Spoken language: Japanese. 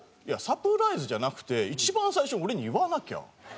サプライズじゃなくて一番最初に俺に言わなきゃ！